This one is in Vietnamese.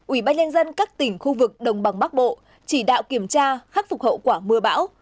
hai ubnd các tỉnh khu vực đồng bằng bắc bộ chỉ đạo kiểm tra khắc phục hậu quả mưa bão